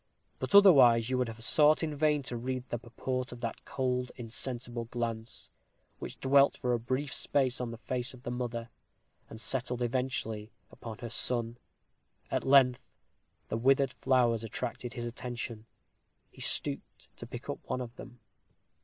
But otherwise you would have sought in vain to read the purport of that cold, insensible glance, which dwelt for a brief space on the face of the mother, and settled eventually upon her son. At length the withered flowers attracted his attention. He stooped to pick up one of them.